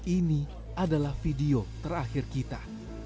ini adalah video terakhir kita